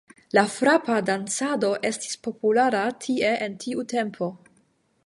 La frapa dancado estis populara tie en tiu tempo.